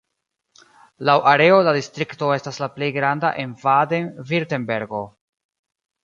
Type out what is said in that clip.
Laŭ areo la distrikto estas la plej granda en Baden-Virtembergo.